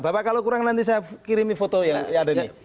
bapak kalau kurang nanti saya kirimin foto yang ada nih